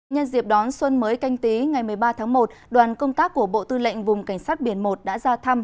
nhân dịp đón xuân mới canh tí ngày một mươi ba tháng một đoàn công tác của bộ tư lệnh vùng cảnh sát biển một đã ra thăm